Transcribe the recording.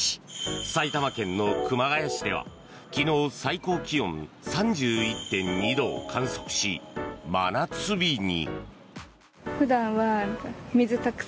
埼玉県の熊谷市では昨日最高気温３１．２度を観測し真夏日に。